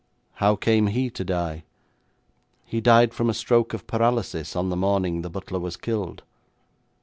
'How came he to die?' 'He died from a stroke of paralysis on the morning the butler was killed.'